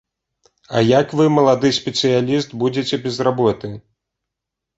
А як вы, малады спецыяліст, будзеце без работы?